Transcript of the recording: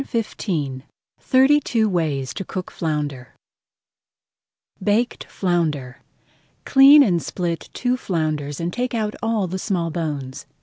[Page 137] THIRTY TWO WAYS TO COOK FLOUNDER BAKED FLOUNDER Clean and split two flounders and take out all the small bones.